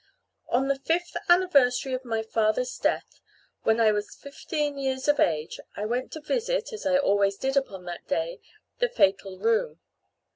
On the fifth anniversary of my father's death, when I was fifteen years of age, I went to visit (as I always did upon that day) the fatal room.